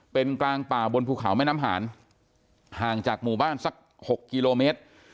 เป็นกลางป่าบนภูเขาแม่น้ำหารห่างจากหมู่บ้านสัก๖กิโลเมตร